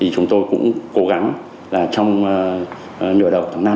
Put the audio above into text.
chúng tôi cũng cố gắng trong nửa đầu tháng năm